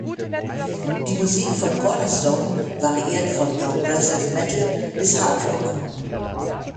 Die Musik von Cornerstone variiert von Progressive Metal bis Hard Rock.